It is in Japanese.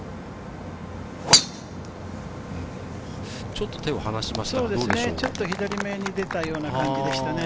ちょっと手を離しましたね。